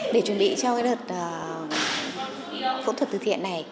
để chuẩn bị cho đợt phẫu thuật từ thiện này